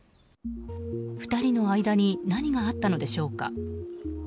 ２人の間に何があったのでしょうか。